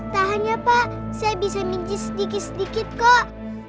tahannya pak saya bisa minci sedikit sedikit kok